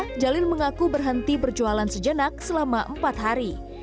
jalil mengaku berhenti berjualan sejenak selama empat hari